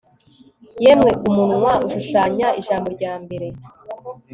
Yemwe umunwa ushushanya ijambo ryambere